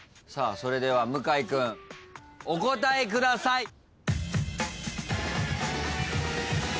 それでは向井君お答えください。